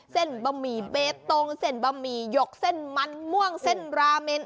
บะหมี่เบตงเส้นบะหมี่หยกเส้นมันม่วงเส้นราเมน